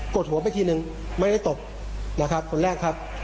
กดหัวไปทีนึงไม่ได้ตบคนแรกครับ